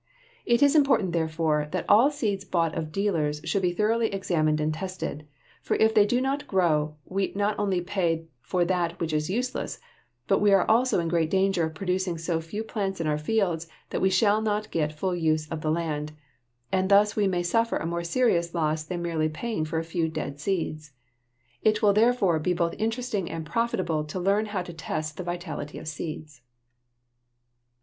It is important, therefore, that all seeds bought of dealers should be thoroughly examined and tested; for if they do not grow, we not only pay for that which is useless but we are also in great danger of producing so few plants in our fields that we shall not get full use of the land, and thus we may suffer a more serious loss than merely paying for a few dead seeds. It will therefore be both interesting and profitable to learn how to test the vitality of seeds.